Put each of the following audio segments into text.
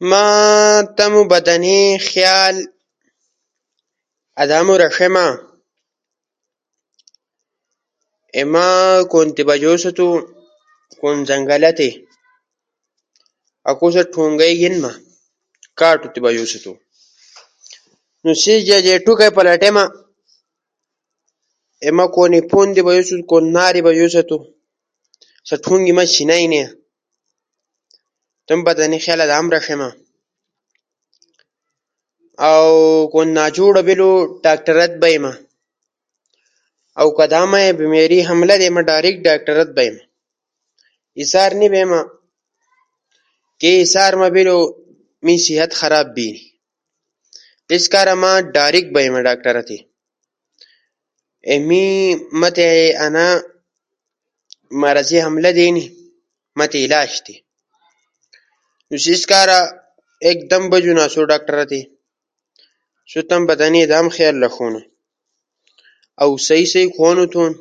ما تمو بدنی خیال آدامو رݜیما، اے ما کونتی بجوستو کون زنگلا تی، آکو ست کونڈئ گھیننا۔ کاٹو تی بجو ستو، نو سیس در اے ٹوکا پراٹما، اے ما کونی تھون در بجوستو، کونی مارے بجو ستو، سا ٹھوم ای ما سوبئینا، تھئی بدنی خیال آدامو رݜیما اؤ کونی ناجوڑا بیلو تو ڈاکٹرا تی بئینا۔ اؤ کدا ما تی بیماری حملہ تھیما ما دائریکٹ ڈاکٹرقا کئی بئینا۔ حیسار نی بئیما۔ کے حیسار ما بیلو، نو می صحت خراب بیلی۔ انیس کارا ما ڈائریکٹ ڈاکٹرا تی بئیما۔ اے ما تی انا مرضے حملہ تھینی، تی آسو علاج تھیم۔ نو سیس کارا آسو ایکدم ڈاکٹرا تی بجونا۔ آسو تمو بدنی آدامو خیال رݜونا۔ کے اسئی صحت خراب نی بیلی۔ آسئی بدن ٹیک بیلی۔ تمو صحت بہتر تھونو کارا غورا خوراک کھونا۔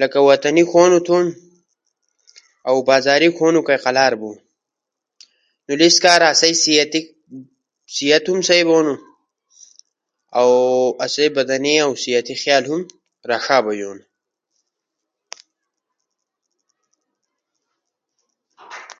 لکہ وطنی کھونو، اؤ بازاری کھونو کئی قلار بونو۔ انیس کارا آسئی صحت ہم سہی بونو اؤ آسئی بدنی اؤ صحتی خیال ہم بہتر رݜا بجونا۔ آسئی بڑے رونا کے تندرستی ہزار نعمت ہنی۔ لہذا آسئی تمو صحت خیال لالو رݜیما۔ بوٹی کوروم تی موݜو صحت ہنی۔ نو آسو بوٹو کوروم تی موݜو تمو صحت اؤ بدنی خیال رݜیما۔